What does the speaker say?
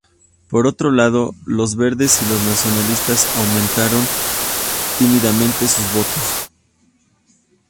Por otro lado, los verdes y los nacionalistas aumentaron tímidamente sus votos.